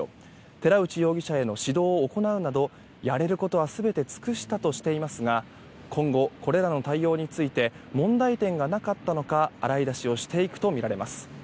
寺内容疑者への指導を行うなどやれることは全て尽くしたとしていますが今後、これらの対応について問題点がなかったのか洗い出しをしていくとみられます。